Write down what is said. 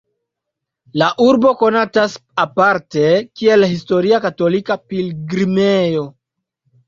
La urbo konatas aparte kiel historia katolika pilgrimejo.